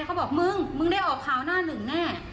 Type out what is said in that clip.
เขาบอกมึงมึงได้ออกข่าวหน้าหนึ่งแน่